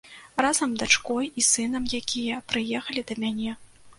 Разам дачкой і сынам, якія прыехалі да мяне.